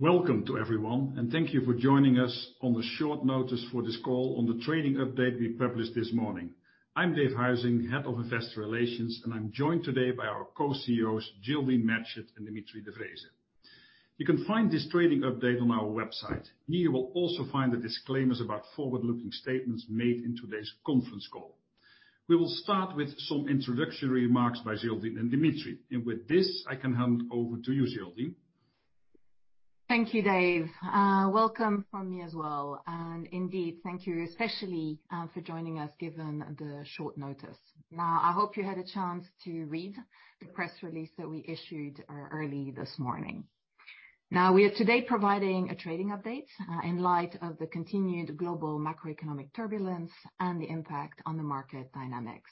Welcome to everyone, and thank you for joining us on the short notice for this call on the trading update we published this morning. I'm Dave Huizing, Head of Investor Relations, and I'm joined today by our co-CEOs, Géraldine Matchett and Dimitri de Vreeze. You can find this trading update on our website. Here, you will also find the disclaimers about forward-looking statements made in today's conference call. We will start with some introductory remarks by Géraldine and Dimitri, and with this, I can hand over to you, Géraldine. Thank you, Dave. Welcome from me as well, and indeed, thank you especially for joining us, given the short notice. I hope you had a chance to read the press release that we issued early this morning. We are today providing a trading update in light of the continued global macroeconomic turbulence and the impact on the market dynamics.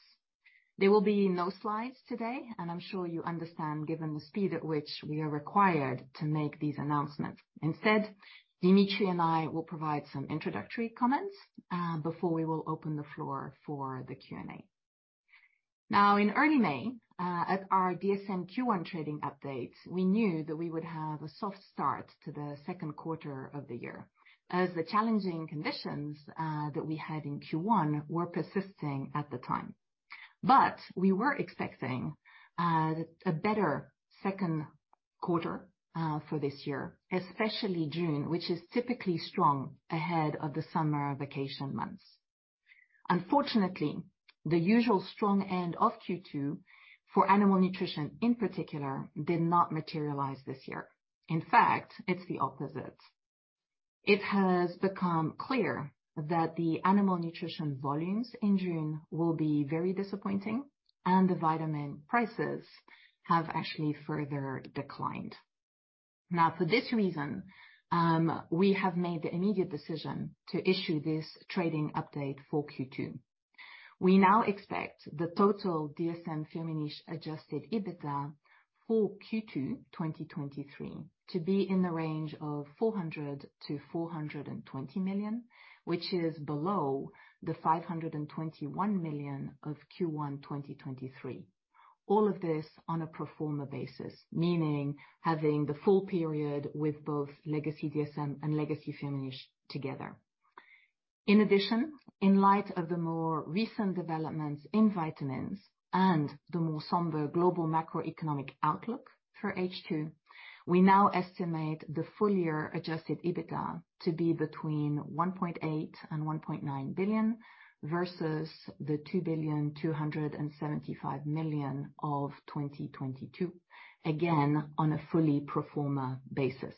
There will be no slides today, and I'm sure you understand, given the speed at which we are required to make these announcements. Instead, Dimitri and I will provide some introductory comments before we will open the floor for the Q&A. In early May, at our DSM Q1 trading update, we knew that we would have a soft start to the second quarter of the year, as the challenging conditions that we had in Q1 were persisting at the time. We were expecting a better second quarter for this year, especially June, which is typically strong ahead of the summer vacation months. Unfortunately, the usual strong end of Q2, for animal nutrition in particular, did not materialize this year. In fact, it's the opposite. It has become clear that the animal nutrition volumes in June will be very disappointing, and the vitamin prices have actually further declined. Now, for this reason, we have made the immediate decision to issue this trading update for Q2. We now expect the total DSM-Firmenich Adjusted EBITDA for Q2 2023 to be in the range of 400 million-420 million, which is below the 521 million of Q1 2023. All of this on a pro forma basis, meaning having the full period with both legacy DSM and legacy Firmenich together. In addition, in light of the more recent developments in vitamins and the more somber global macroeconomic outlook for H2, we now estimate the full year Adjusted EBITDA to be between 1.8 billion and 1.9 billion versus the 2.275 billion of 2022, again, on a fully pro forma basis.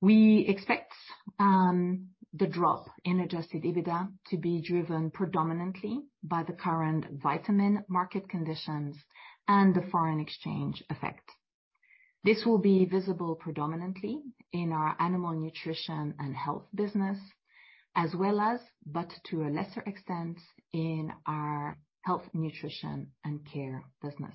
We expect the drop in Adjusted EBITDA to be driven predominantly by the current vitamin market conditions and the foreign exchange effect. This will be visible predominantly in our Animal Nutrition & Health business, as well as, but to a lesser extent, in our Health, Nutrition & Care business.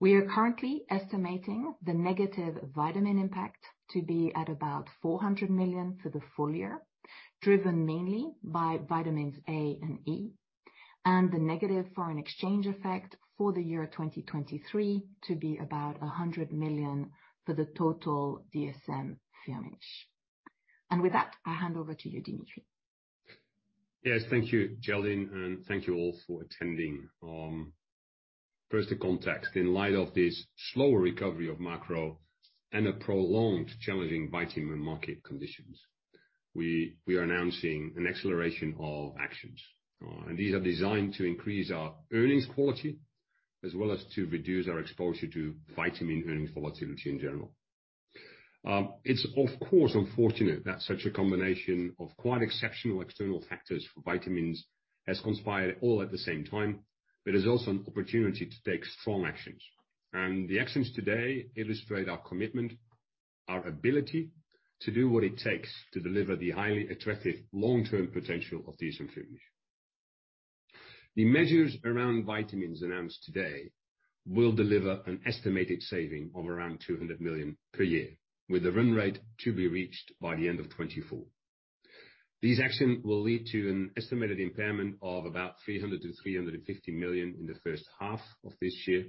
We are currently estimating the negative vitamin impact to be at about 400 million for the full year, driven mainly by vitamins A and E, and the negative foreign exchange effect for the year 2023 to be about 100 million for the total DSM-Firmenich. With that, I'll hand over to you, Dimitri. Yes, thank you, Géraldine, and thank you all for attending. First, the context. In light of this slower recovery of macro and the prolonged challenging vitamin market conditions, we are announcing an acceleration of actions, and these are designed to increase our earnings quality, as well as to reduce our exposure to vitamin earnings volatility in general. It's of course, unfortunate that such a combination of quite exceptional external factors for vitamins has conspired all at the same time, but is also an opportunity to take strong actions. The actions today illustrate our commitment, our ability to do what it takes to deliver the highly attractive long-term potential of DSM-Firmenich. The measures around vitamins announced today will deliver an estimated saving of around 200 million per year, with a run rate to be reached by the end of 2024. These actions will lead to an estimated impairment of about 300 million-350 million in the first half of this year,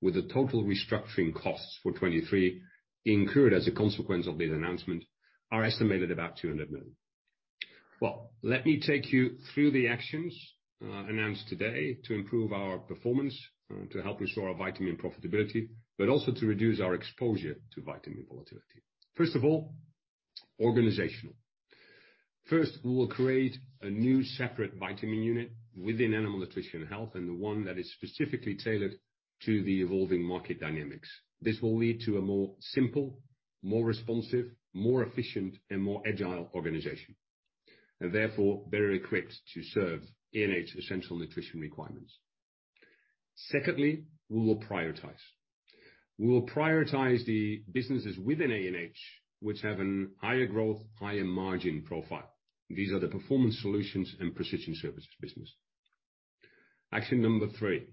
with the total restructuring costs for 2023, incurred as a consequence of the announcement, are estimated about 200 million. Let me take you through the actions announced today to improve our performance, to help restore our vitamin profitability, but also to reduce our exposure to vitamin volatility. First of all, organizational. First, we will create a new separate vitamin unit within Animal Nutrition & Health, and the one that is specifically tailored to the evolving market dynamics. This will lead to a more simple, more responsive, more efficient, and more agile organization, and therefore, better equipped to serve ANH essential nutrition requirements. Secondly, we will prioritize. We will prioritize the businesses within ANH, which have a higher growth, higher margin profile. These are the Performance Solutions and Precision Services business. Action number three,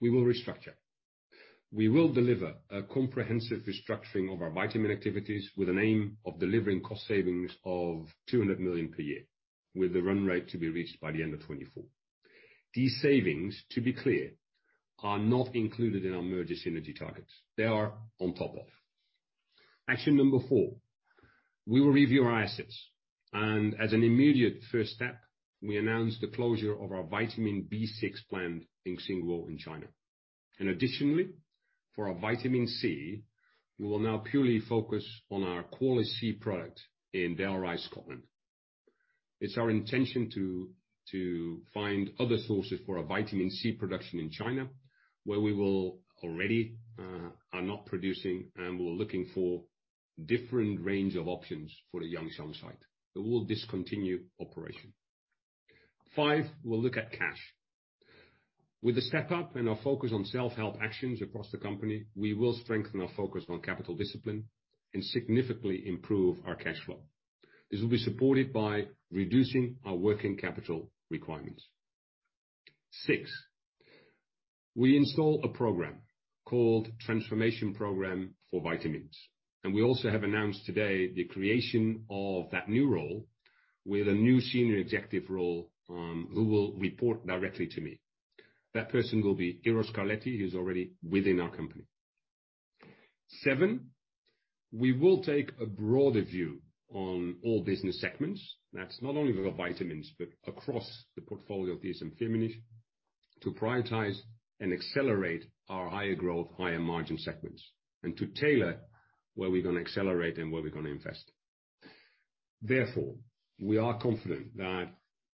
we will restructure. We will deliver a comprehensive restructuring of our vitamin activities with an aim of delivering cost savings of 200 million per year with the run rate to be reached by the end of 2024. These savings, to be clear, are not included in our merger synergy targets they are on top of. Action number four, we will review our assets, and as an immediate first step, we announce the closure of our vitamin B6 plant in Xinghuo, in China. Additionally, for our vitamin C, we will now purely focus on our Quali-C product in Dalry, Scotland. It's our intention to find other sources for our vitamin C production in China, where we will already are not producing, and we're looking for different range of options for the Jiangshan site. We will discontinue operation. Five, we'll look at cash. With the step up and our focus on self-help actions across the company, we will strengthen our focus on capital discipline and significantly improve our cash flow. This will be supported by reducing our working capital requirements. Six, we install a program called Transformation Program for Vitamins, and we also have announced today the creation of that new role with a new senior executive role, who will report directly to me. That person will be Eros Carletti, who's already within our company. Seven, we will take a broader view on all business segments. That's not only for the vitamins, but across the portfolio of DSM-Firmenich, to prioritize and accelerate our higher growth, higher margin segments, and to tailor where we're gonna accelerate and where we're gonna invest. Therefore, we are confident that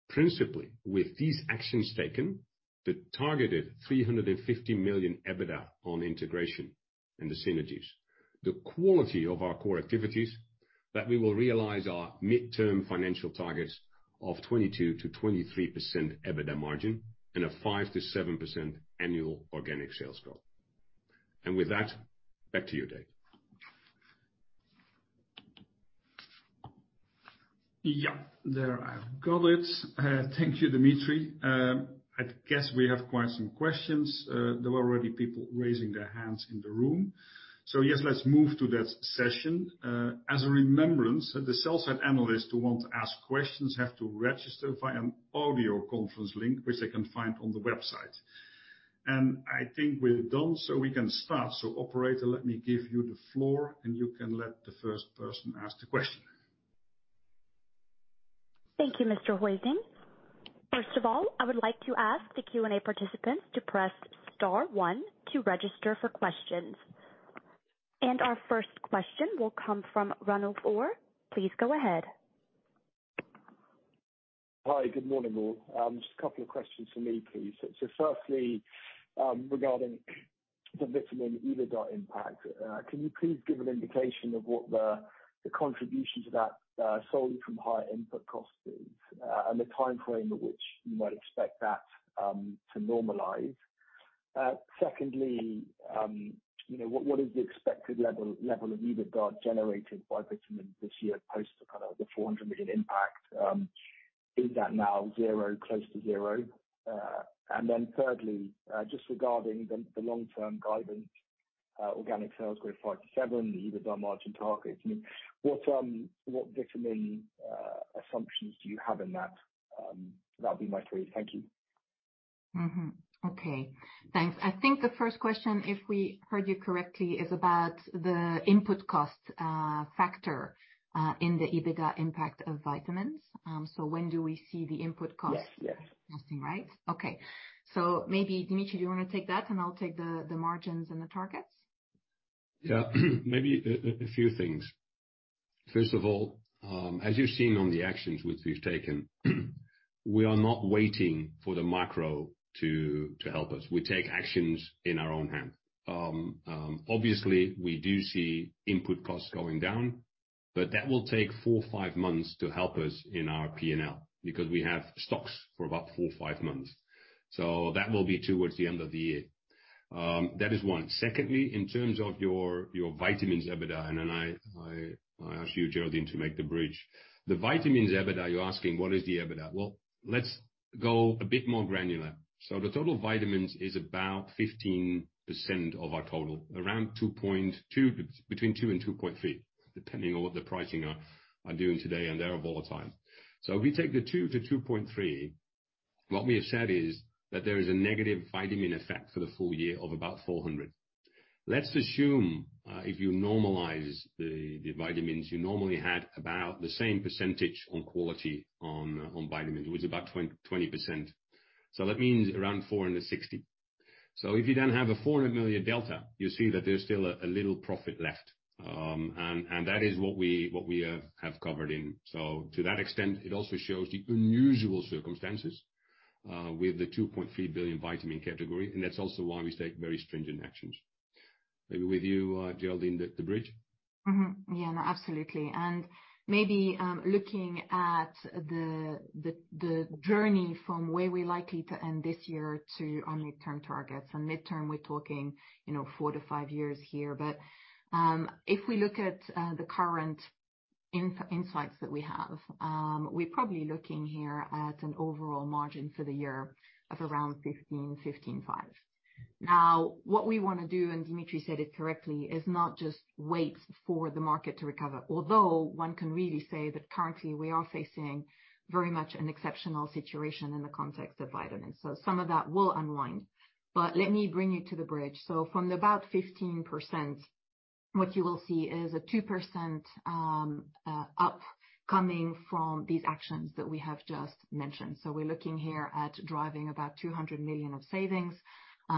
principally, with these actions taken, the targeted 350 million EBITDA on integration and the synergies, the quality of our core activities, that we will realize our midterm financial targets of 22%-23% EBITDA margin and a 5%-7% annual organic sales growth. With that, back to you, Dave. Yeah, there I've got it. Thank you, Dimitri. I guess we have quite some questions. There were already people raising their hands in the room. Yes, let's move to that session. As a remembrance, the sell-side analysts who want to ask questions have to register via an audio conference link, which they can find on the website. I think we're done, so we can start. Operator, let me give you the floor, and you can let the first person ask the question. Thank you, Mr. Huizing. First of all, I would like to ask the Q&A participants to press star one to register for questions. Our first question will come from Ronald Orr. Please go ahead. Hi, good morning, all. Just a couple of questions from me, please. Firstly, regarding the vitamin EBITDA impact, can you please give an indication of what the contribution to that solely from higher input costs is, and the timeframe at which you might expect that to normalize? Secondly, you know, what is the expected level of EBITDA generated by vitamin this year, post the, kind of, the 400 million impact? Is that now zero, close to zero? Thirdly, just regarding the long-term guidance, organic sales growth, 5% -7%, the EBITDA margin targets, I mean, what vitamin assumptions do you have in that? That'll be my three. Thank you. Okay. Thanks. I think the first question, if we heard you correctly, is about the input cost, factor, in the EBITDA impact of vitamins. When do we see the input cost? Yes, yes. Right? Okay. Maybe, Dimitri, do you wanna take that, and I'll take the margins and the targets? Yeah. Maybe a few things. First of all, as you've seen on the actions which we've taken, we are not waiting for the macro to help us. We take actions in our own hand. Obviously, we do see input costs going down, that will take four, five months to help us in our P&L, because we have stocks for about four, five months, so that will be towards the end of the year. That is one. Secondly, in terms of your vitamins EBITDA, then I ask you, Géraldine, to make the bridge. The vitamins EBITDA, you're asking, what is the EBITDA? Well, let's go a bit more granular. The total vitamins is about 15% of our total, around 2.2, between 2 and 2.3, depending on what the pricing are doing today. They are volatile. If we take the 2-2.3, what we have said is that there is a negative vitamin effect for the full year of about 400 million. Let's assume, if you normalize the vitamins, you normally had about the same percentage on quality, on vitamins, it was about 20%, so that means around 460 million. If you have a 400 million delta, you see that there's still a little profit left. That is what we have covered in. To that extent, it also shows the unusual circumstances, with the 2.3 billion vitamin category, that's also why we take very stringent actions. Maybe with you, Géraldine, the bridge? Yeah, no, absolutely. Maybe looking at the journey from where we're likely to end this year to our midterm targets, and midterm, we're talking, you know, four to five years here. If we look at the current insights that we have, we're probably looking here at an overall margin for the year of around 15%, 15.5%. What we wanna do, and Dimitri said it correctly, is not just wait for the market to recover. One can really say that currently we are facing very much an exceptional situation in the context of vitamins, some of that will unwind. Let me bring you to the bridge. From about 15%, what you will see is a 2% up coming from these actions that we have just mentioned. We're looking here at driving about 200 million of savings,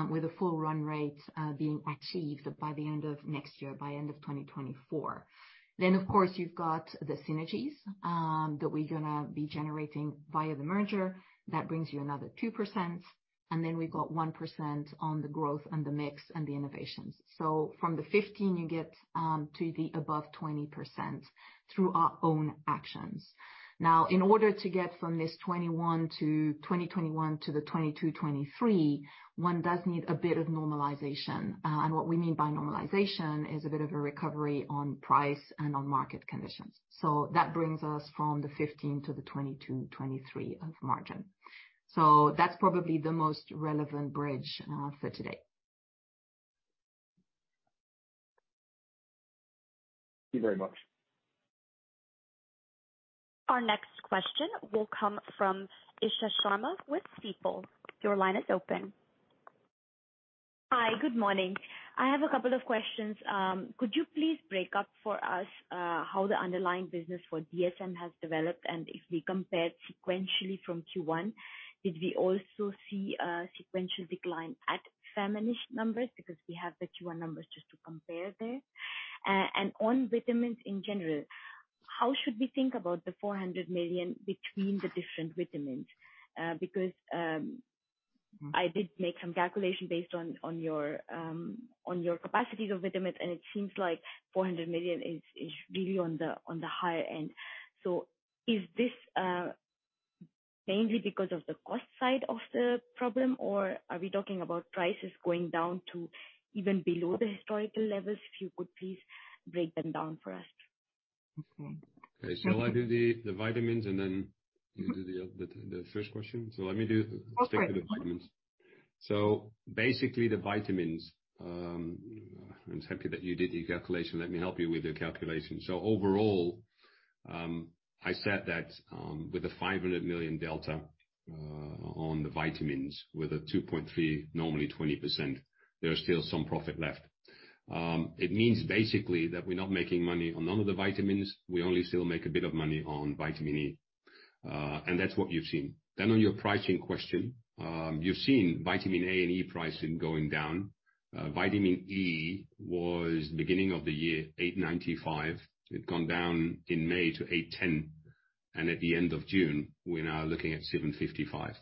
with a full run rate being achieved by the end of next year, by end of 2024. Of course, you've got the synergies that we're gonna be generating via the merger. That brings you another 2%, and then we've got 1% on the growth and the mix and the innovations. From the 15%, you get to the above 20% through our own actions. In order to get from this 2021 to the 2023, one does need a bit of normalization. And what we mean by normalization is a bit of a recovery on price and on market conditions. That brings us from the 15% to the 20%-23% margin. That's probably the most relevant bridge for today. Thank you very much. Our next question will come from Isha Sharma with Stifel. Your line is open. Hi, good morning. I have a couple of questions. Could you please break up for us how the underlying business for DSM has developed, and if we compare sequentially from Q1, did we also see a sequential decline at Firmenich numbers? Because we have the Q1 numbers just to compare there. On vitamins in general, how should we think about the 400 million between the different vitamins? I did make some calculation based on your capacities of vitamins, and it seems like 400 million is really on the higher end. Is this mainly because of the cost side of the problem, or are we talking about prices going down to even below the historical levels? If you could please break them down for us. Okay. Okay, shall I do the vitamins and then you do the first question? Let me. Okay. The vitamins. Basically, the vitamins, I'm happy that you did the calculation, let me help you with your calculation. Overall, I said that, with the 500 million delta, on the vitamins, with a 2.3, normally 20%, there's still some profit left. It means basically that we're not making money on none of the vitamins, we only still make a bit of money on vitamin E, and that's what you've seen. On your pricing question, you've seen vitamin A and vitamin E pricing going down. vitamin E was, beginning of the year, 8.95. It had gone down in May to 8.10, and at the end of June, we're now looking at 7.55.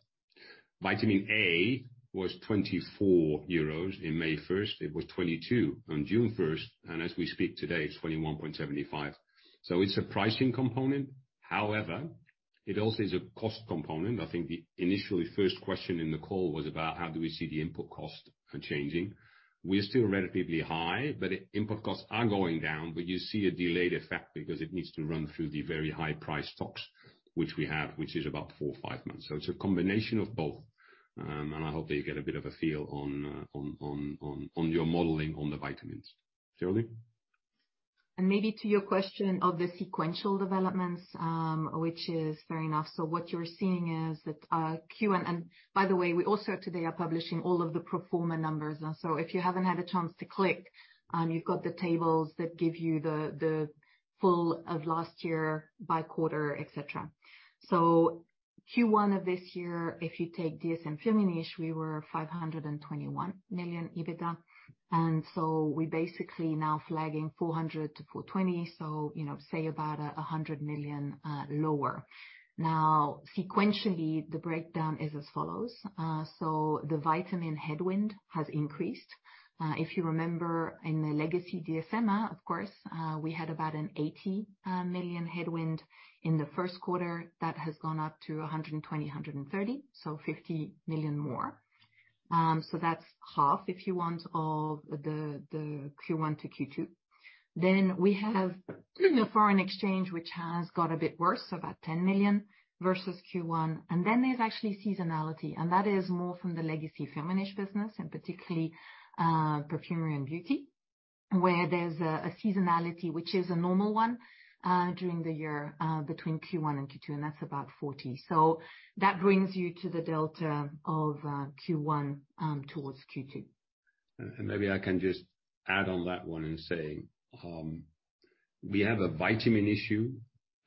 vitamin A was 24 euros in May 1st. It was 22 on June 1st, and as we speak today, it's 21.75. It's a pricing component. However, it also is a cost component. I think the initially first question in the call was about how do we see the input cost changing? We're still relatively high, but input costs are going down, but you see a delayed effect because it needs to run through the very high price stocks which we have, which is about four, five months. It's a combination of both. And I hope that you get a bit of a feel on your modeling on the vitamins. Géraldine. Maybe to your question of the sequential developments, which is fair enough. What you're seeing is that, and by the way, we also today are publishing all of the pro forma numbers. If you haven't had a chance to click, you've got the tables that give you the full of last year by quarter, et cetera. Q1 of this year, if you take DSM-Firmenich, we were 521 million EBITDA, and we basically now flagging 400 million-420 million, you know, say about 100 million lower. Sequentially, the breakdown is as follows. The vitamin headwind has increased. If you remember in the legacy DSM, of course, we had about an 80 million headwind in the first quarter. That has gone up to 120, 130, so 50 million more. That's half, if you want, of the Q1 to Q2. We have the foreign exchange, which has got a bit worse, so about 10 million versus Q1. There's actually seasonality, and that is more from the legacy Firmenich business, and particularly Perfumery & Beauty, where there's a seasonality, which is a normal one during the year between Q1 and Q2, and that's about 40 million. That brings you to the delta of Q1 towards Q2. Maybe I can just add on that one and say, we have a vitamin issue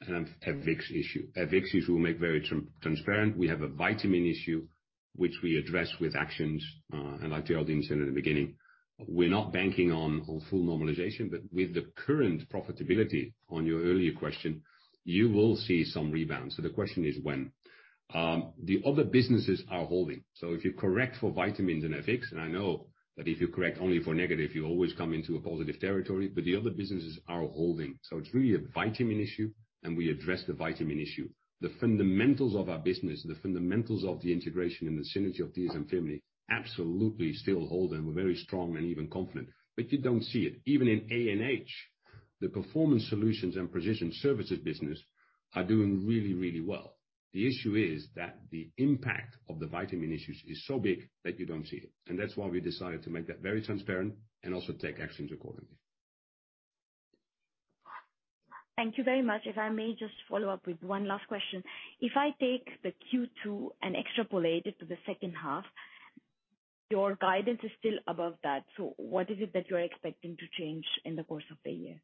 and a FX issue. FX issue, we'll make very transparent. We have a vitamin issue, which we address with actions, and like Géraldine said in the beginning, we're not banking on full normalization, but with the current profitability on your earlier question, you will see some rebound. The question is when. The other businesses are holding, so if you correct for vitamins and FX, and I know that if you correct only for negative, you always come into a positive territory, but the other businesses are holding. It's really a vitamin issue, and we address the vitamin issue. The fundamentals of our business, the fundamentals of the integration and the synergy of DSM-Firmenich absolutely still hold, and we're very strong and even confident. You don't see it. Even in ANH. The Performance Solutions and Precision Services business are doing really well. The issue is that the impact of the vitamin issues is so big that you don't see it, and that's why we decided to make that very transparent and also take actions accordingly. Thank you very much. If I may just follow up with one last question. If I take the Q2 and extrapolate it to the second half, your guidance is still above that. What is it that you're expecting to change in the course of the year?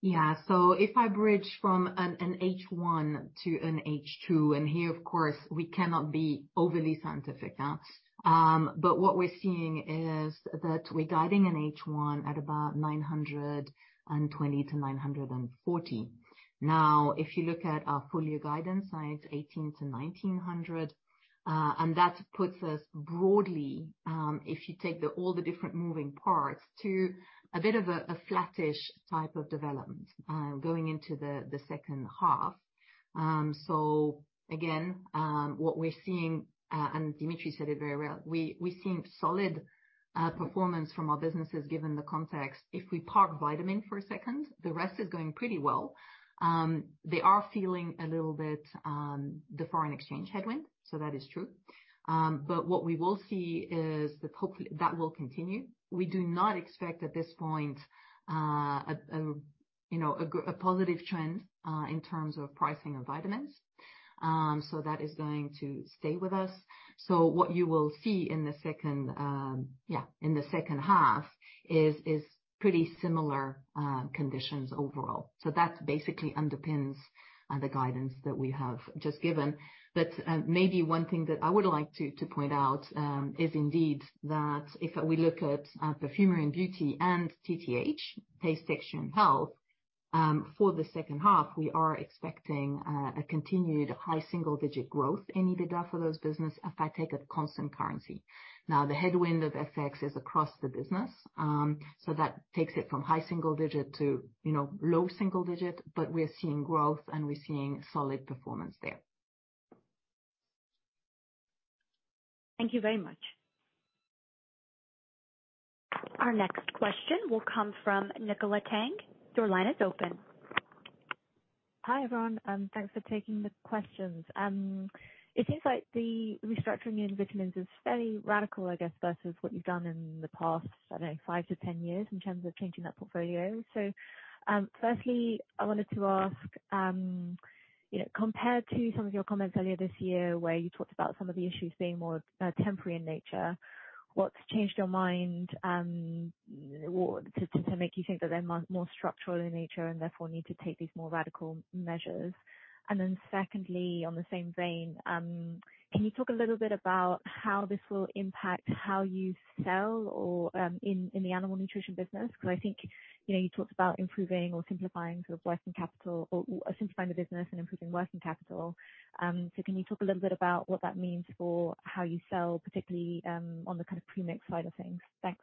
If I bridge from an H1 to an H2, and here, of course, we cannot be overly scientific, but what we're seeing is that we're guiding an H1 at about 920 million-940 million. If you look at our full year guidance, it's 1,800 million-1,900 million, and that puts us broadly, if you take all the different moving parts, to a bit of a flattish type of development, going into the second half. What we're seeing, and Dimitri said it very well, we're seeing solid performance from our businesses, given the context. If we park vitamin for a second, the rest is going pretty well. They are feeling a little bit the foreign exchange headwind, so that is true. What we will see is that hopefully that will continue. We do not expect, at this point, a positive trend in terms of pricing of vitamins. So that is going to stay with us. So what you will see in the second half is pretty similar conditions overall. So that basically underpins the guidance that we have just given. Maybe one thing that I would like to point out is indeed that if we look at Perfumery & Beauty and TTH, Taste, Texture & Health, for the second half, we are expecting a continued high single digit growth in EBITDA for those business if I take it constant currency. The headwind of FX is across the business, that takes it from high single digit to, you know, low single digit, but we're seeing growth, and we're seeing solid performance there. Thank you very much. Our next question will come from Nicola Tang. Your line is open. Hi, everyone. Thanks for taking the questions. It seems like the restructuring in vitamins is very radical, I guess, versus what you've done in the past, I don't know, five to 10 years in terms of changing that portfolio. Firstly, I wanted to ask, you know, compared to some of your comments earlier this year, where you talked about some of the issues being more temporary in nature, what's changed your mind, what to make you think that they're more structural in nature and therefore need to take these more radical measures? Secondly, on the same vein, can you talk a little bit about how this will impact how you sell or in the animal nutrition business? Because I think, you know, you talked about improving or simplifying sort of working capital or simplifying the business and improving working capital. Can you talk a little bit about what that means for how you sell, particularly, on the kind of premix side of things? Thanks.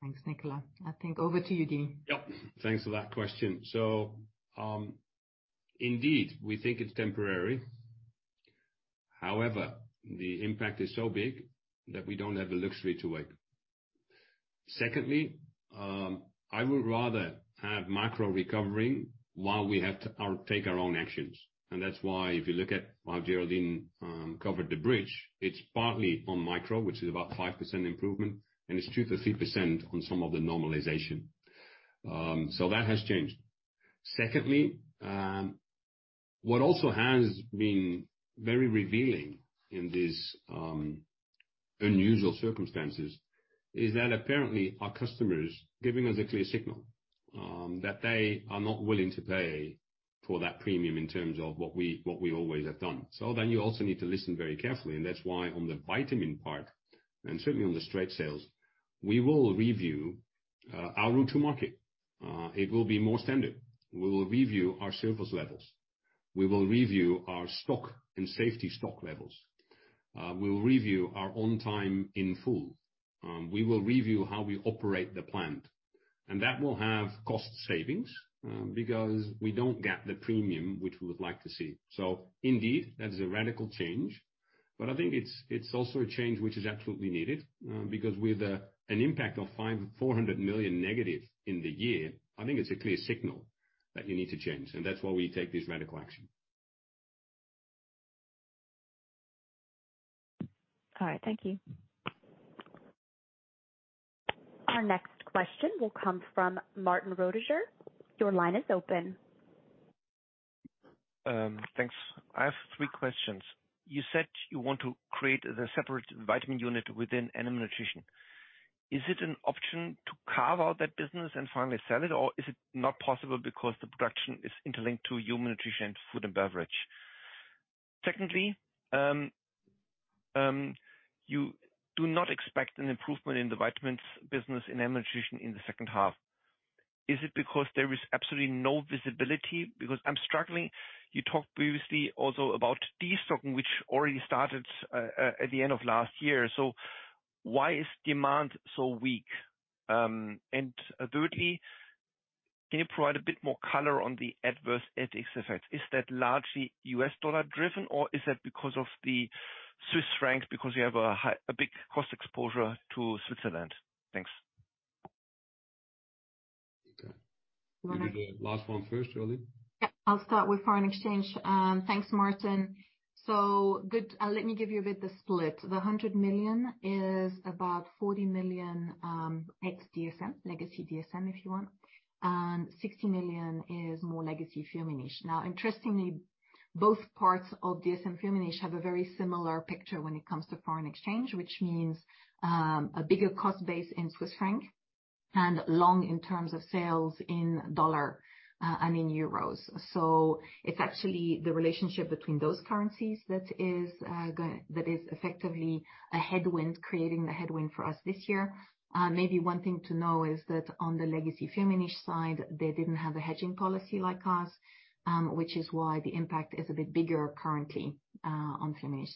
Thanks, Nicola. I think over to you, Dimitri. Yep. Thanks for that question. Indeed, we think it's temporary. However, the impact is so big that we don't have the luxury to wait. Secondly, I would rather have micro recovering while we have to take our own actions, that's why if you look at how Géraldine covered the bridge, it's partly on micro, which is about 5% improvement, and it's 2%-3% on some of the normalization. That has changed. Secondly, what also has been very revealing in these unusual circumstances is that apparently our customers giving us a clear signal that they are not willing to pay for that premium in terms of what we always have done. You also need to listen very carefully, and that's why on the vitamin part, and certainly on the straights sales, we will review our route to market. It will be more standard. We will review our service levels. We will review our stock and safety stock levels. We will review our on time in full. We will review how we operate the plant, and that will have cost savings, because we don't get the premium which we would like to see. Indeed, that is a radical change, but I think it's also a change which is absolutely needed, because with an impact of 400 million negative in the year, I think it's a clear signal that you need to change, and that's why we take this radical action. All right. Thank you. Our next question will come from Martin Roediger. Your line is open. Thanks. I have three questions. You said you want to create the separate vitamin unit within Animal Nutrition. Is it an option to carve out that business and finally sell it, or is it not possible because the production is interlinked to human nutrition, food, and beverage? Secondly, you do not expect an improvement in the vitamins business, in Animal Nutrition, in the second half. Is it because there is absolutely no visibility? Because I'm struggling. You talked previously also about destocking, which already started at the end of last year, so why is demand so weak? Thirdly, can you provide a bit more color on the adverse FX effect? Is that largely US dollar driven, or is that because of the Swiss franc, because you have a big cost exposure to Switzerland? Thanks. Okay. You do the last one first, Géraldine? I'll start with foreign exchange. Thanks, Martin. Let me give you a bit the split. The 100 million is about 40 million, ex DSM, legacy DSM, if you want, and 60 million is more legacy Firmenich. Interestingly, both parts of DSM-Firmenich have a very similar picture when it comes to foreign exchange, which means a bigger cost base in Swiss franc and long in terms of sales in dollar and in euros. It's actually the relationship between those currencies that is effectively a headwind, creating the headwind for us this year. Maybe one thing to know is that on the legacy Firmenich side, they didn't have a hedging policy like us, which is why the impact is a bit bigger currently on Firmenich.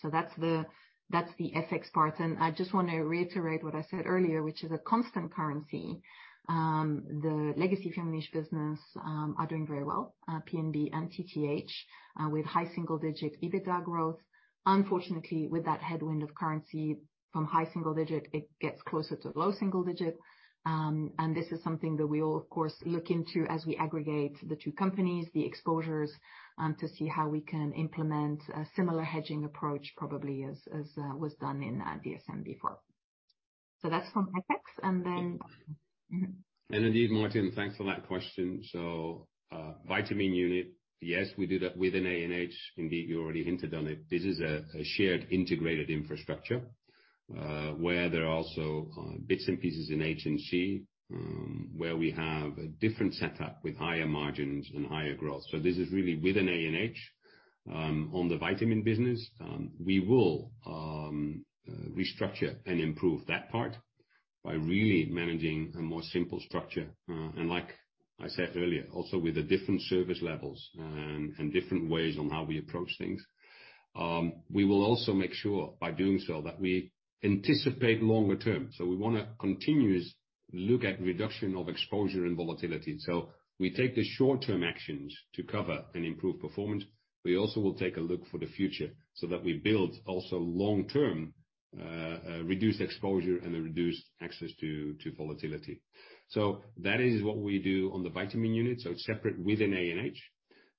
That's the FX part. I just want to reiterate what I said earlier, which is a constant currency. The legacy Firmenich business are doing very well, PNB and TTH, with high single-digit EBITDA growth. With that headwind of currency from high single-digit, it gets closer to low single-digit. This is something that we will, of course, look into as we aggregate the two companies, the exposures, to see how we can implement a similar hedging approach, probably as was done in DSM before. That's from FX. Indeed, Martin, thanks for that question. Vitamin unit, yes, we did it within ANH. Indeed, you already hinted on it. This is a shared integrated infrastructure, where there are also bits and pieces in HNC, where we have a different setup with higher margins and higher growth. This is really within ANH. On the vitamin business, we will restructure and improve that part by really managing a more simple structure. Like I said earlier, also with the different service levels, and different ways on how we approach things. We will also make sure, by doing so, that we anticipate longer term. We wanna continuously look at reduction of exposure and volatility. We take the short-term actions to cover and improve performance. We also will take a look for the future so that we build also long-term reduced exposure and a reduced access to volatility. That is what we do on the vitamin unit, so it's separate within ANH.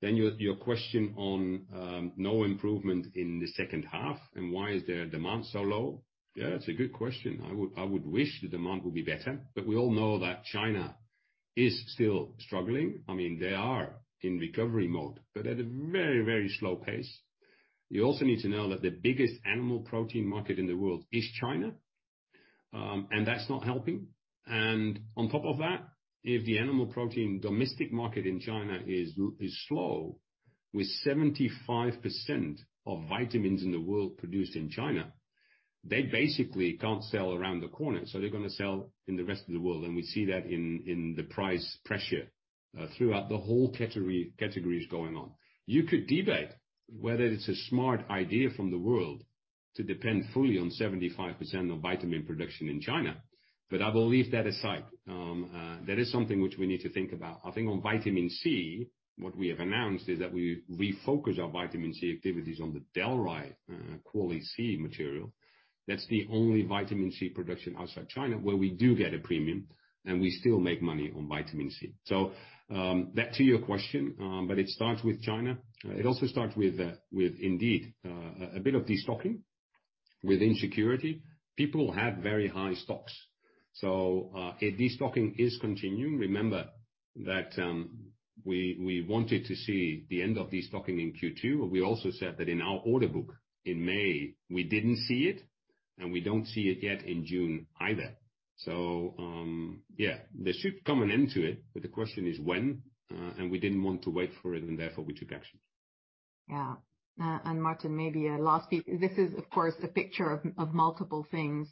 Your question on no improvement in the second half, and why is the demand so low? It's a good question. I would wish the demand would be better, but we all know that China is still struggling. I mean, they are in recovery mode, but at a very, very slow pace. You also need to know that the biggest animal protein market in the world is China, and that's not helping. On top of that, if the animal protein domestic market in China is slow, with 75% of vitamins in the world produced in China, they basically can't sell around the corner, so they're gonna sell in the rest of the world. We see that in the price pressure throughout the whole categories going on. You could debate whether it's a smart idea from the world to depend fully on 75% of vitamin production in China. I believe that aside, that is something which we need to think about. I think on vitamin C, what we have announced is that we refocus our vitamin C activities on the Dalry Quali-C material. That's the only vitamin C production outside China, where we do get a premium, and we still make money on vitamin C. Back to your question, but it starts with China. It also starts with indeed a bit of destocking with insecurity. People had very high stocks, destocking is continuing. Remember that we wanted to see the end of destocking in Q2, but we also said that in our order book in May, we didn't see it, and we don't see it yet in June either. Yeah, there should come an end to it, but the question is when, and we didn't want to wait for it, and therefore we took action. Yeah. Martin Roediger, maybe a last piece. This is, of course, a picture of multiple things.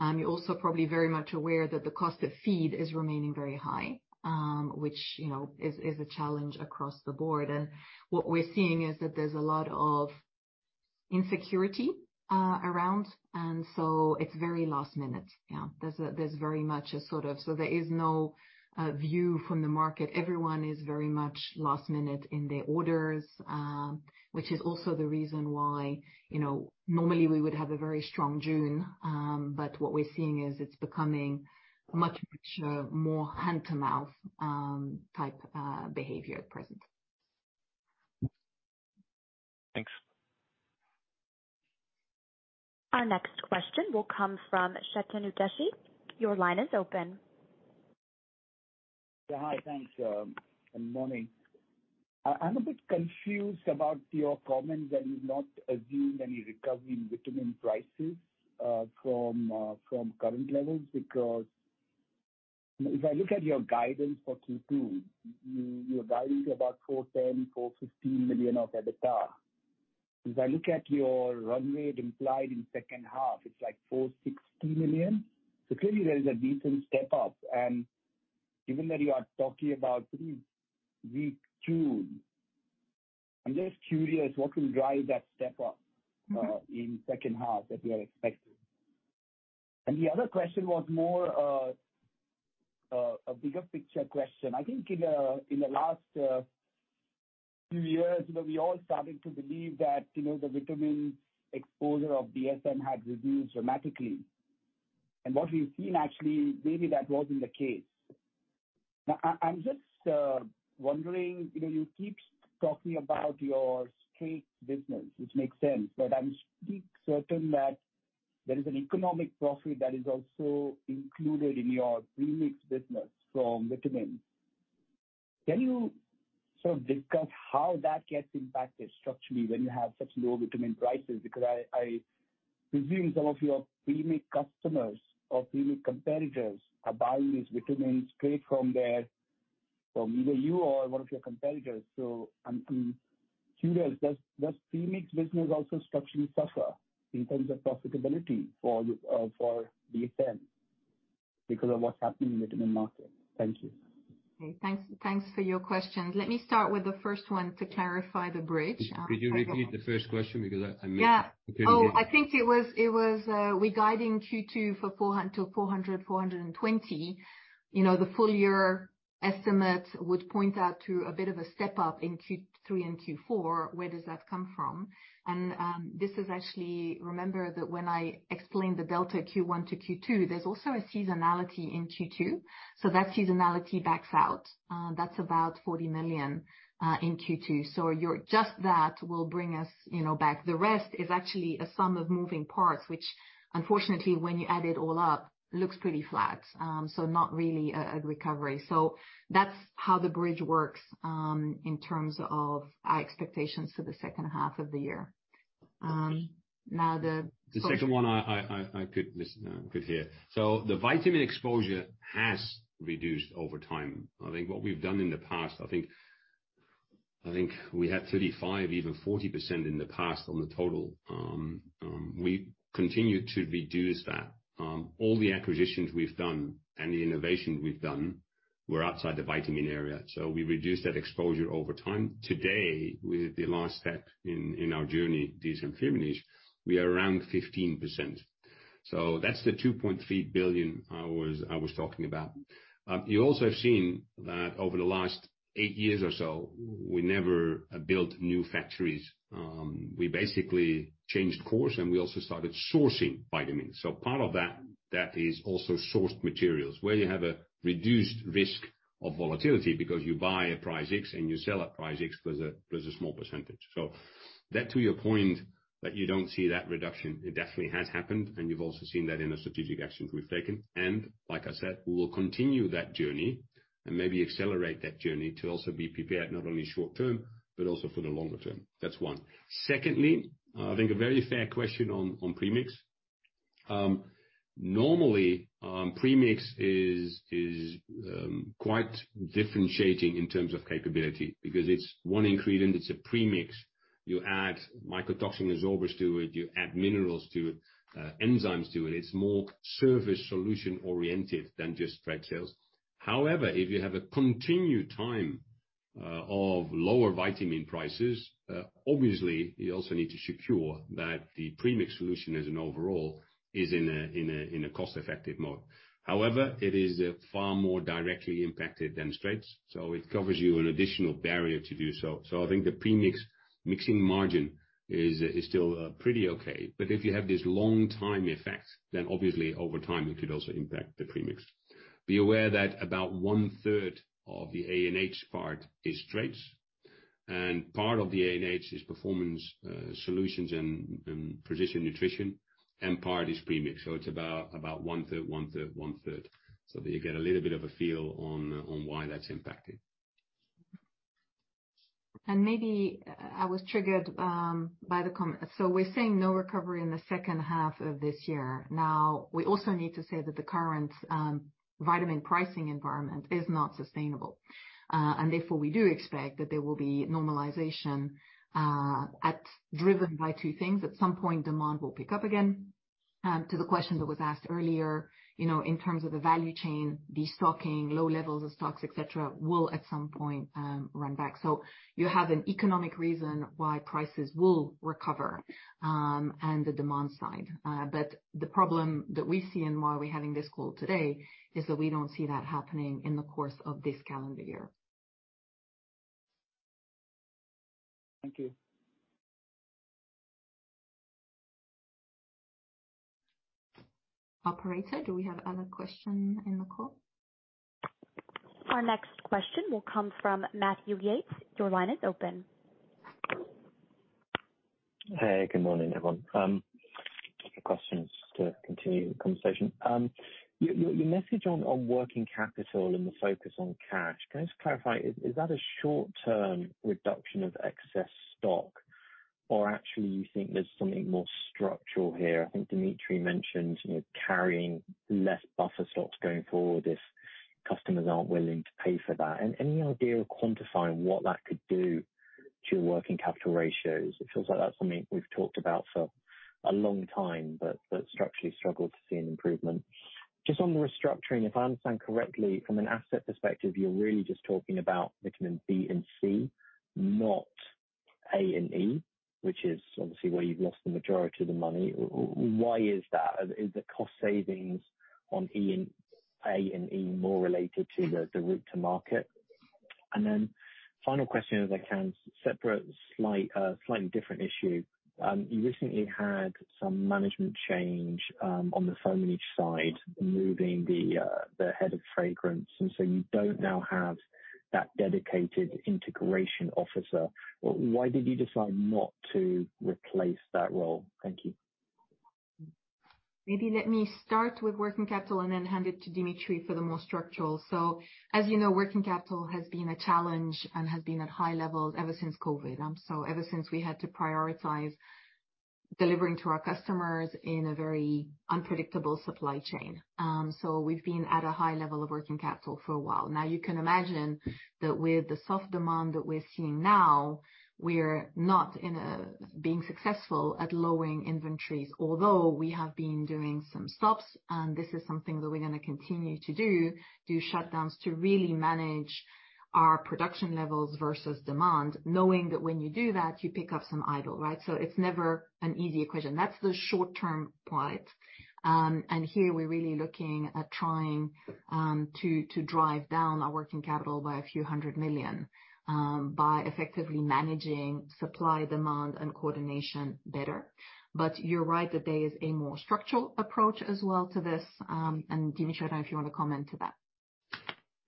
You're also probably very much aware that the cost of feed is remaining very high, which, you know, is a challenge across the board. What we're seeing is that there's a lot of insecurity around, it's very last minute. Yeah. There is no view from the market. Everyone is very much last minute in their orders, which is also the reason why, you know, normally we would have a very strong June, what we're seeing is it's becoming much, much more hand-to-mouth type behavior at present. Thanks. Our next question will come from Chetan Udeshi. Your line is open. Yeah. Hi. Thanks, and morning. I'm a bit confused about your comment that you've not assumed any recovery in vitamin prices, from current levels. If I look at your guidance for Q2, you're guiding to about 410 million-415 million of EBITDA. If I look at your runway implied in second half, it's like 460 million. Clearly, there is a decent step up, and given that you are talking about pretty weak tune, I'm just curious, what will drive that step up, in second half that we are expecting? The other question was more, a bigger picture question. I think in the last, few years, you know, we all started to believe that, you know, the vitamin exposure of DSM had reduced dramatically. What we've seen, actually, maybe that wasn't the case. Now, I'm just wondering, you know, you keep talking about your straight business, which makes sense, but I'm pretty certain that there is an economic profit that is also included in your premix business from vitamins. Can you sort of discuss how that gets impacted structurally when you have such low vitamin prices? Because I presume some of your premix customers or premix competitors are buying these vitamins straight from their, from either you or one of your competitors. I'm curious, does premix business also structurally suffer in terms of profitability for DSM because of what's happening in the vitamin market? Thank you. Okay, thanks for your question. Let me start with the first one to clarify the bridge. Could you repeat the first question because I missed it? Yeah. Okay. I think it was regarding Q2 for 400 million-420 million, you know, the full year estimate would point out to a bit of a step-up in Q3 and Q4. Where does that come from? Remember that when I explained the delta Q1 to Q2, there's also a seasonality in Q2, that seasonality backs out. That's about 40 million in Q2. Just that will bring us, you know, back. The rest is actually a sum of moving parts, which unfortunately, when you add it all up, looks pretty flat. Not really a recovery. That's how the bridge works in terms of our expectations for the second half of the year. The second one, I could listen, could hear. The vitamin exposure has reduced over time. I think what we've done in the past, I think, we had 35%, even 40% in the past on the total. We continued to reduce that. All the acquisitions we've done and the innovation we've done were outside the vitamin area, so we reduced that exposure over time. Today, with the last step in our journey, DSM-Firmenich, we are around 15%. That's the 2.3 billion I was talking about. You also have seen that over the last eight years or so, we never built new factories. We basically changed course, and we also started sourcing vitamins. Part of that is also sourced materials where you have a reduced risk of volatility because you buy at price X, and you sell at price X plus a, plus a small percentage. That to your point, that you don't see that reduction, it definitely has happened, and you've also seen that in the strategic actions we've taken. Like I said, we will continue that journey and maybe accelerate that journey to also be prepared, not only short term, but also for the longer term. That's one. Secondly, I think a very fair question on premix. Normally, premix is quite differentiating in terms of capability, because it's one ingredient, it's a premix. You add mycotoxin binders to it, you add minerals to it, enzymes to it. It's more service solution-oriented than just trade sales. However, if you have a continued time of lower vitamin prices, obviously you also need to secure that the premix solution as an overall is in a cost-effective mode. However, it is far more directly impacted than straights, so it covers you an additional barrier to do so. I think the premix mixing margin is still pretty okay, but if you have this long time effect, then obviously over time, it could also impact the premix. Be aware that about one-third of the ANH part is straights, and part of the ANH is Performance Solutions and precision nutrition, and part is premix. It's about one-third, one-third, one-third. You get a little bit of a feel on why that's impacted. Maybe I was triggered, so we're saying no recovery in the second half of this year. We also need to say that the current vitamin pricing environment is not sustainable, and therefore, we do expect that there will be normalization. Driven by two things, at some point, demand will pick up again. To the question that was asked earlier, you know, in terms of the value chain, destocking, low levels of stocks, et cetera, will at some point, run back. You have an economic reason why prices will recover, and the demand side. The problem that we see and why we're having this call today, is that we don't see that happening in the course of this calendar year. Thank you. Operator, do we have other question in the call? Our next question will come from Matthew Yates. Your line is open. Good morning, everyone. Couple questions to continue the conversation. Your message on working capital and the focus on cash, can I just clarify, is that a short-term reduction of excess stock, or actually, you think there's something more structural here? I think Dimitri mentioned, you know, carrying less buffer stocks going forward if customers aren't willing to pay for that. Any idea of quantifying what that could do to your working capital ratios? It feels like that's something we've talked about for a long time, but structurally struggled to see an improvement. Just on the restructuring, if I understand correctly, from an asset perspective, you're really just talking about vitamin B and C, not A and E, which is obviously where you've lost the majority of the money. Why is that? Is the cost savings on E and, A and E more related to the route to market? Final question, as I can separate slightly different issue. You recently had some management change on the family side, moving the head of fragrance, so you don't now have that dedicated integration officer. Why did you decide not to replace that role? Thank you. Maybe let me start with working capital and then hand it to Dimitri for the more structural. As you know, working capital has been a challenge and has been at high levels ever since COVID. Ever since we had to prioritize delivering to our customers in a very unpredictable supply chain. We've been at a high level of working capital for a while. Now, you can imagine that with the soft demand that we're seeing now, we're not being successful at lowering inventories. Although, we have been doing some stops, and this is something that we're gonna continue to do shutdowns to really manage our production levels versus demand, knowing that when you do that, you pick up some idle, right? It's never an easy equation. That's the short-term point. Here, we're really looking at trying to drive down our working capital by a few hundred million by effectively managing supply, demand, and coordination better. You're right, that there is a more structural approach as well to this, and Dimitri, if you want to comment to that.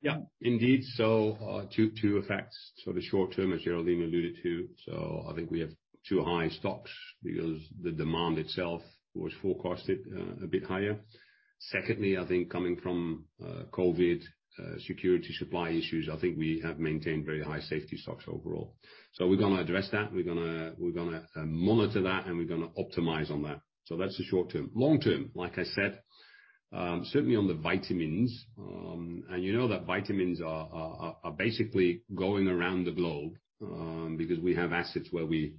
Yeah, indeed. Two effects. The short term, as Géraldine alluded to, I think we have two high stocks because the demand itself was forecasted a bit higher. Secondly, I think coming from COVID security supply issues, I think we have maintained very high safety stocks overall. We're gonna address that, we're gonna monitor that, and we're gonna optimize on that. That's the short term. Long term, like I said, certainly on the vitamins, you know, that vitamins are basically going around the globe because we have assets where we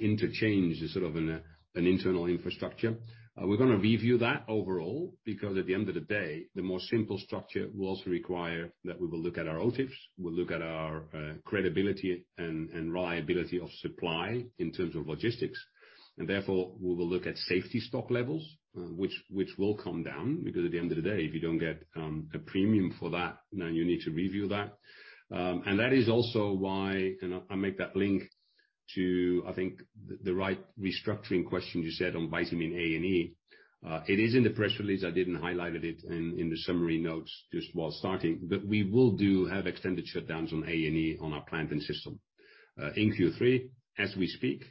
interchange sort of an internal infrastructure. We're gonna review that overall, because at the end of the day, the more simple structure will also require that we will look at our OTIFs, we'll look at our credibility and reliability of supply in terms of logistics. Therefore, we will look at safety stock levels, which will come down, because at the end of the day, if you don't get a premium for that, then you need to review that. That is also why, and I make that link to, I think, the right restructuring question you said on vitamin A and E. It is in the press release, I didn't highlighted it in the summary notes just while starting, but we will have extended shutdowns on A and E on our plant and Sisseln. In Q3, as we speak,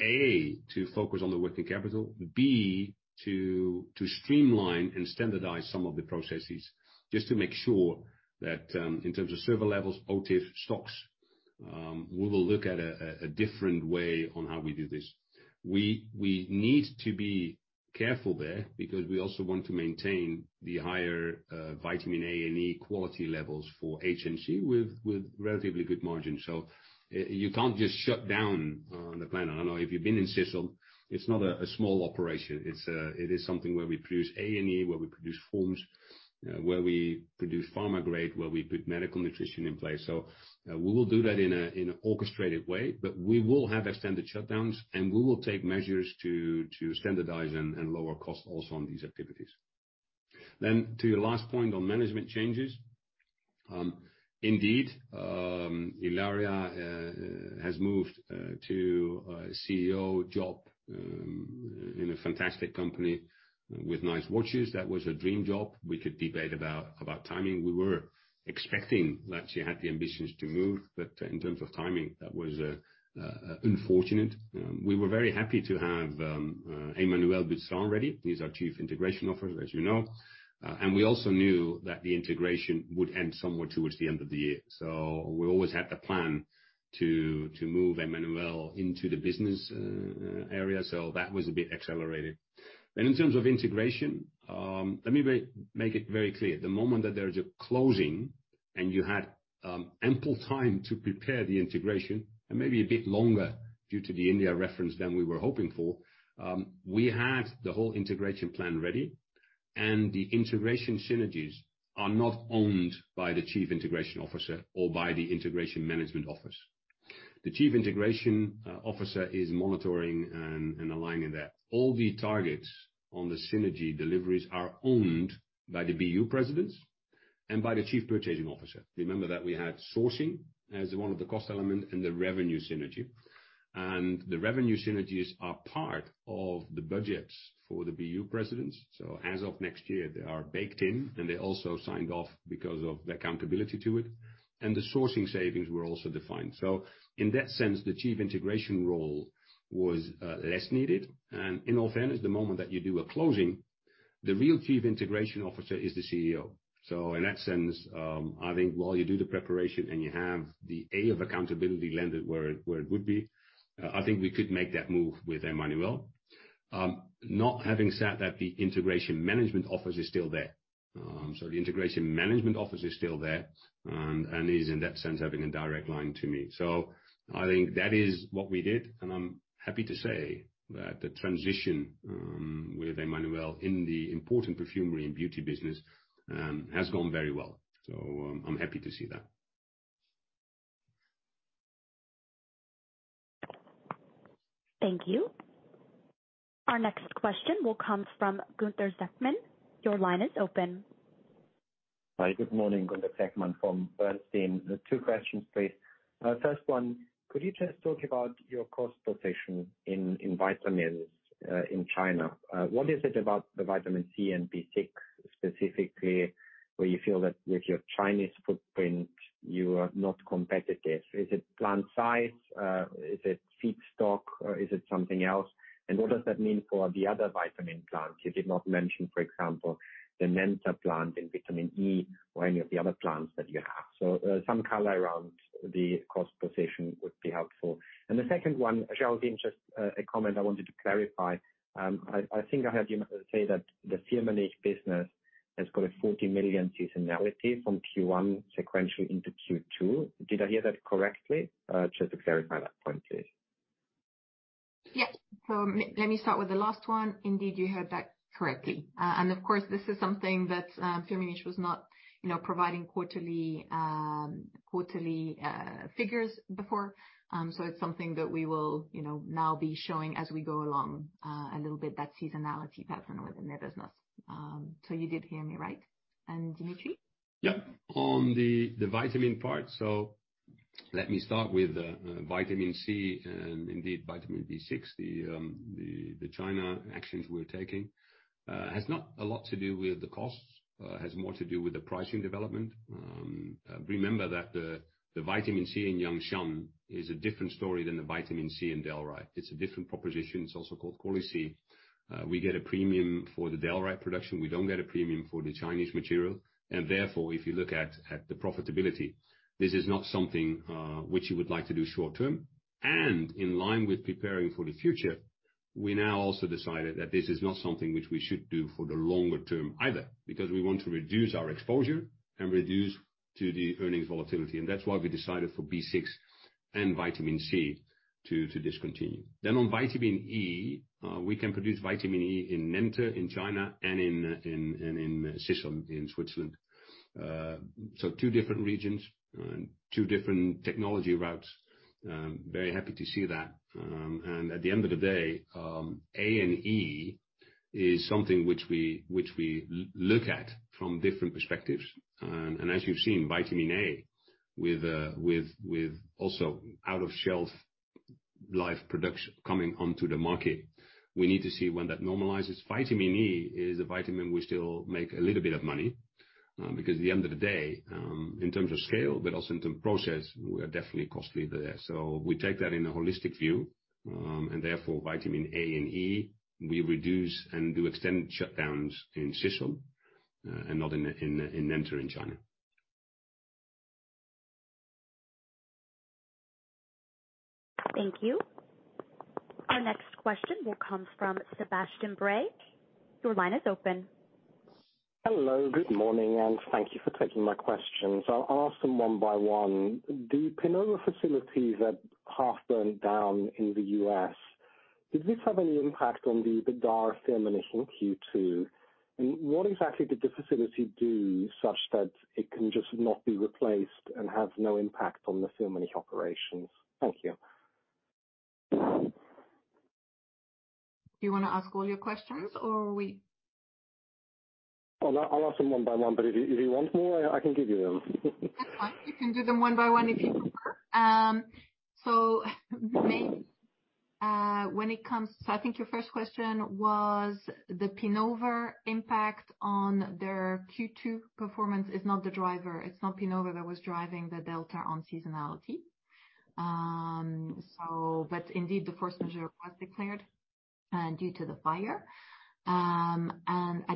A, to focus on the working capital, B, to streamline and standardize some of the processes, just to make sure that, in terms of server levels, OTIF stocks, we will look at a different way on how we do this. We need to be careful there, because we also want to maintain the higher vitamin A and E quality levels for HNC with relatively good margins. You can't just shut down the plant. I don't know if you've been in Sisseln, it's not a small operation. It is something where we produce A and E, where we produce forms, where we produce pharma grade, where we put medical nutrition in place. We will do that in a orchestrated way, but we will have extended shutdowns, and we will take measures to standardize and lower cost also on these activities. To your last point on management changes, indeed, Ilaria has moved to a CEO job in a fantastic company with nice watches. That was her dream job. We could debate about timing. We were expecting that she had the ambitions to move, but in terms of timing, that was unfortunate. We were very happy to have Emmanuel Butstraen ready. He's our Chief Integration Officer, as you know. We also knew that the integration would end somewhere towards the end of the year. We always had the plan to move Emmanuel into the business area. That was a bit accelerated. In terms of integration, let me make it very clear. The moment that there is a closing, and you had ample time to prepare the integration, and maybe a bit longer due to the India reference than we were hoping for, we had the whole integration plan ready, and the integration synergies are not owned by the Chief Integration Officer or by the Integration Management Office. The Chief Integration Officer is monitoring and aligning that. All the targets on the synergy deliveries are owned by the BU presidents and by the Chief Procurement Officer. Remember that we had sourcing as one of the cost elements and the revenue synergy, and the revenue synergies are part of the budgets for the BU presidents. As of next year, they are baked in, and they also signed off because of the accountability to it, and the sourcing savings were also defined. In that sense, the chief integration role was less needed. In all fairness, the moment that you do a closing, the real Chief Integration Officer is the CEO. In that sense, I think while you do the preparation and you have the A of accountability landed where it would be, I think we could make that move with Emmanuel. Not having said that, the Integration Management Office is still there. The Integration Management Office is still there, and is, in that sense, having a direct line to me. I think that is what we did, and I'm happy to say that the transition, with Emmanuel in the important Perfumery & Beauty business, has gone very well. I'm happy to see that. Thank you. Our next question will come from Gunther Zechmann. Your line is open. Hi, good morning, Gunther Zechmann from Bernstein. Two questions, please. First one, could you just talk about your cost position in vitamins in China? What is it about the vitamin C and B6 specifically, where you feel that with your Chinese footprint, you are not competitive? Is it plant size? Is it feedstock, or is it something else? What does that mean for the other vitamin plants? You did not mention, for example, the Nenta plant in vitamin E or any of the other plants that you have. Some color around the cost position would be helpful. The second one, Géraldine, just a comment I wanted to clarify. I think I heard you say that the Firmenich business has got a 40 million seasonality from Q1 sequentially into Q2. Did I hear that correctly? Just to clarify that point, please. Yes. Let me start with the last one. Indeed, you heard that correctly. Of course, this is something that Firmenich was not, you know, providing quarterly figures before. It's something that we will, you know, now be showing as we go along, a little bit, that seasonality pattern within their business. You did hear me right. Dimitri? Yep. On the vitamin part, let me start with vitamin C and indeed, vitamin B6. The China actions we're taking has not a lot to do with the costs, has more to do with the pricing development. Remember that the vitamin C in Jiangshan is a different story than the vitamin C in Dalry. It's a different proposition. It's also called Quali-C. We get a premium for the Dalry production. We don't get a premium for the Chinese material. If you look at the profitability, this is not something which you would like to do short term. In line with preparing for the future, we now also decided that this is not something which we should do for the longer term either, because we want to reduce our exposure and reduce to the earnings volatility, and that's why we decided for B6 and vitamin C to discontinue. On vitamin E, we can produce vitamin E in Nenta, in China, and in Sisseln, in Switzerland. Two different regions and two different technology routes, very happy to see that. At the end of the day, A and E is something which we look at from different perspectives. As you've seen, vitamin A with also out-of-shelf life production coming onto the market, we need to see when that normalizes. Vitamin E is a vitamin we still make a little bit of money, because at the end of the day, in terms of scale, but also in process, we are definitely cost leader there. Therefore vitamin A and E, we reduce and do extended shutdowns in Sisseln, not in Nenta in China. Thank you. Our next question will come from Sebastian Bray. Your line is open. Hello, good morning, and thank you for taking my questions. I'll ask them one by one. The Pinova facilities that half burned down in the U.S., did this have any impact on the DSM-Firmenich in Q2? What exactly did the facility do such that it can just not be replaced and have no impact on the DSM-Firmenich operations? Thank you. Do you wanna ask all your questions, or we- Oh, no, I'll ask them one by one. If you, if you want more, I can give you them. That's fine. You can do them one by one if you want. I think your first question was the Pinova impact on their Q2 performance. It's not the driver, it's not Pinova that was driving the delta on seasonality. But indeed, the force majeure was declared, due to the fire. I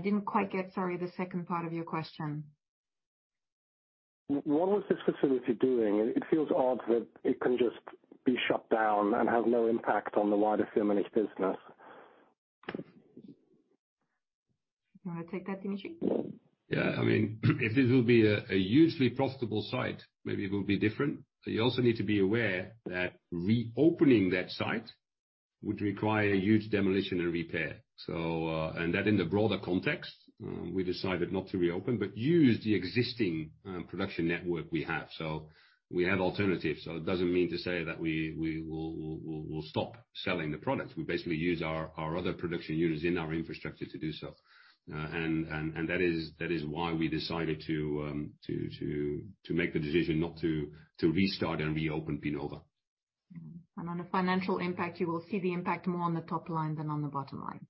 didn't quite get, sorry, the second part of your question. What was this facility doing? It feels odd that it can just be shut down and have no impact on the wider Firmenich business. You wanna take that, Dimitri? Yeah. I mean, if this will be a hugely profitable site, maybe it will be different, but you also need to be aware that reopening that site would require huge demolition and repair. That in the broader context, we decided not to reopen, but use the existing production network we have. We have alternatives, so it doesn't mean to say that we will stop selling the product. We basically use our other production units in our infrastructure to do so. That is why we decided to make the decision not to restart and reopen Pinova. On the financial impact, you will see the impact more on the top line than on the bottom line.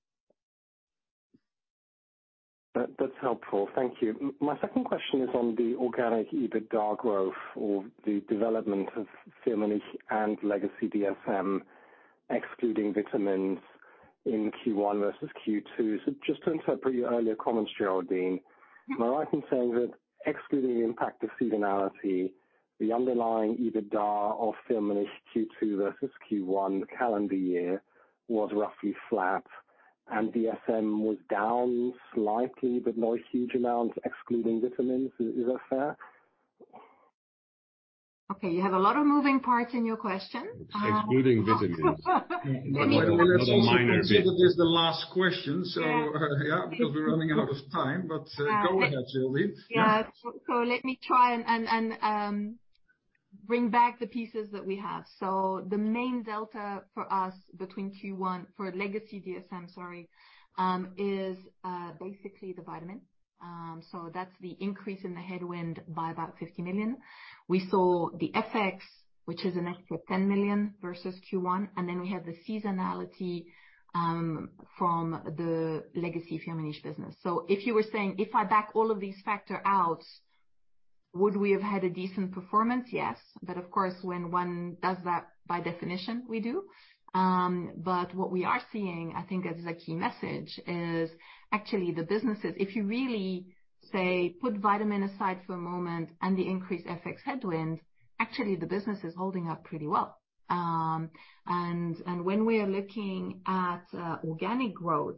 That's helpful. Thank you. My second question is on the organic EBITDA growth or the development of Firmenich and legacy DSM, excluding vitamins in Q1 versus Q2. Just to interpret your earlier comments, Géraldine, am I right in saying that excluding the impact of seasonality, the underlying EBITDA of Firmenich Q2 versus Q1 calendar year was roughly flat, and DSM was down slightly, but not a huge amount, excluding vitamins. Is that fair? Okay, you have a lot of moving parts in your question. Excluding vitamins. Minor, minor vitamins. Consider this the last question. Yeah. Yeah, because we're running out of time, but- All right. -go ahead, Géraldine. Yeah. Let me try and bring back the pieces that we have. The main delta for us between Q1, for legacy DSM, sorry, is basically the vitamin. That's the increase in the headwind by about 50 million. We saw the FX, which is an extra 10 million versus Q1. Then we have the seasonality from the legacy Firmenich business. If you were saying, if I back all of these factor out, would we have had a decent performance? Yes. Of course, when one does that, by definition, we do. What we are seeing, I think as a key message, is actually, if you really, say, put vitamin aside for a moment and the increased FX headwind, actually the business is holding up pretty well. When we are looking at organic growth,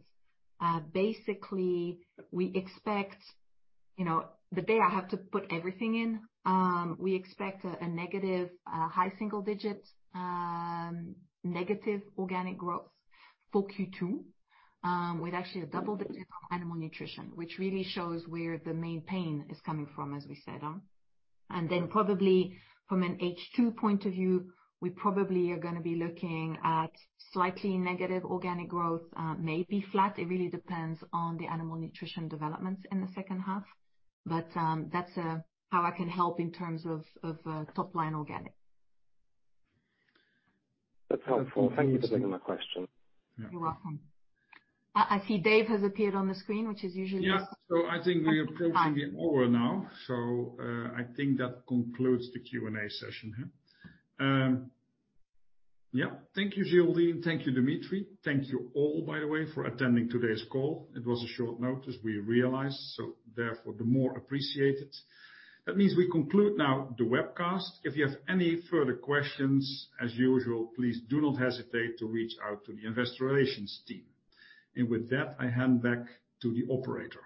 basically, we expect, you know, the day I have to put everything in, we expect a negative high-single-digit negative organic growth for Q2, with actually a double-digit Animal Nutrition, which really shows where the main pain is coming from, as we said. Probably from an H2 point of view, we probably are gonna be looking at slightly negative organic growth, maybe flat. It really depends on the Animal Nutrition developments in the second half. That's how I can help in terms of top-line organic. That's helpful. Thank you for taking my question. You're welcome. I see Dave has appeared on the screen, which is usually- I think we are approaching the hour now, I think that concludes the Q&A session here. Thank you, Géraldine. Thank you, Dimitri. Thank you all, by the way, for attending today's call. It was a short notice, we realize, therefore, the more appreciated. That means we conclude now the webcast. If you have any further questions, as usual, please do not hesitate to reach out to the investor relations team. With that, I hand back to the operator.